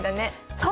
そう！